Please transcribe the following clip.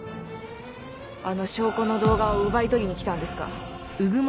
あの証拠の動画を奪い取りに来たんですか？